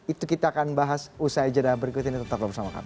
itu kita akan bahas usai jeda berikut ini tetap bersama kami